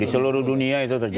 di seluruh dunia itu terjadi